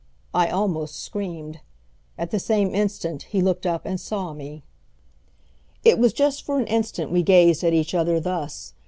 I almost screamed. At the same instant he looked up and saw me. It was just for an instant we gazed at each other thus.